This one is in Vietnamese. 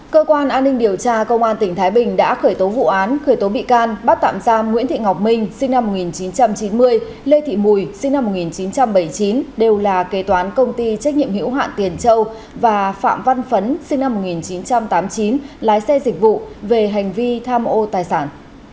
cơ quan an ninh điều tra công an tỉnh thái bình đã khởi tố vụ án khởi tố bị can bắt tạm giam nguyễn thị ngọc minh sinh năm một nghìn chín trăm chín mươi lê thị mùi sinh năm một nghìn chín trăm bảy mươi chín đều là kế toán công ty trách nhiệm hữu hạn tiền châu và phạm văn phấn sinh năm một nghìn chín trăm tám mươi chín lái xe dịch vụ về hành vi tham ô tài sản